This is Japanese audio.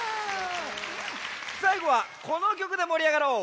さいごはこのきょくでもりあがろう。